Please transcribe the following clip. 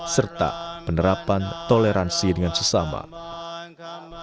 serta penerapan toleransi dengan sesama